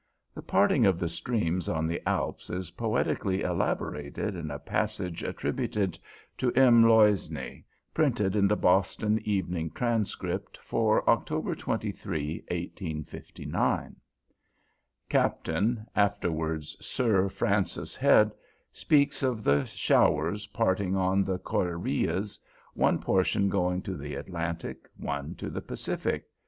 The parting of the streams on the Alps is poetically elaborated in a passage attributed to "M. Loisne," printed in the "Boston Evening Transcript" for October 23, 1859. Captain, afterwards Sir Francis Head, speaks of the showers parting on the Cordilleras, one portion going to the Atlantic, one to the Pacific.